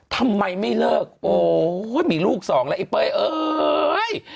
ทำไมไม่เลิกโอ้ยมีลูกสองแล้วไอ้เป้ยเอ้ย